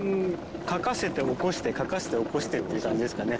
かかせて起こしてかかせて起こしてっていう感じですかね。